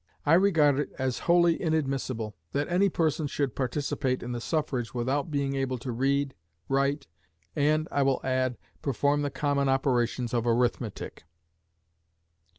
I regard it as wholly inadmissible that any person should participate in the suffrage without being able to read, write, and, I will add, perform the common operations of arithmetic.